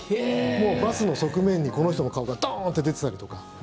もうバスの側面にこの人の顔がドーンと出てたりとか。